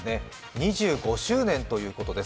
２５周年ということです。